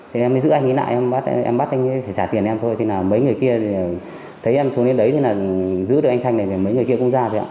thế em mới giữ anh ấy lại em bắt anh ấy trả tiền em thôi thế nào mấy người kia thấy em xuống đến đấy thì giữ được anh thanh này thì mấy người kia cũng ra